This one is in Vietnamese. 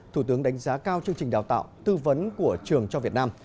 thủ tướng đánh giá cao chương trình đào tạo tư vấn của trường cho việt nam